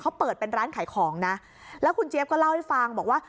เขาเปิดเป็นร้านขายของนะแล้วคุณเจี๊ยบก็เล่าให้ฟังบอกว่า